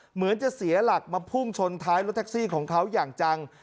เหมือนจะเสียหลักมาพุ่งชนท้ายรถแท็กซี่ของเขาอย่างจัง